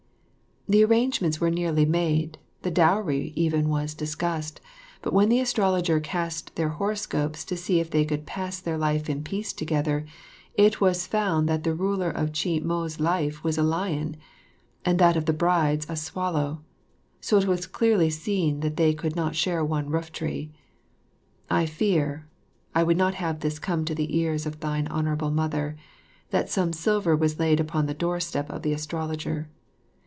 The arrangements were nearly made, the dowry even was discussed, but when the astrologer cast their horoscopes to see if they could pass their life in peace together, it was found that the ruler of Chih mo's life was a lion, and that of the bride's, a swallow, so it was clearly seen they could not share one rooftree. I fear (I would not have this come to the ears of thine Honourable Mother) that some silver was left upon the doorstep of the astrologer.